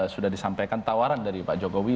sudah disampaikan tawaran dari pak jokowi